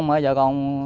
mà giờ còn